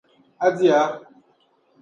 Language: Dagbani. A diya?